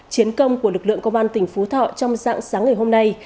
chiến công của lực lượng công an tỉnh phú thọ trong dạng sáng ngày hôm nay